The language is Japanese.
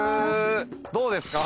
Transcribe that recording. どうですか？